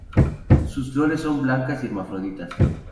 Sus flores son blancas y hermafroditas.